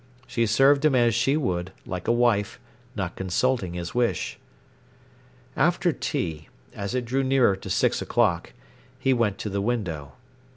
She served him as she would, like a wife, not consulting his wish. After tea, as it drew near to six o'clock, he went to the window.